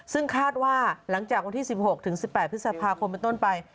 ซึ่งคาดว่าหลังจากวันที่๑๖ถึง๑๘พฤษภาคมเป็นต้นไป